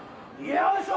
よいしょ！